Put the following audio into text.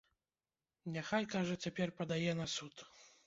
Няхай, кажа, цяпер падае на суд.